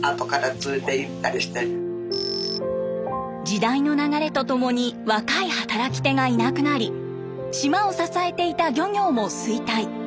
時代の流れとともに若い働き手がいなくなり島を支えていた漁業も衰退。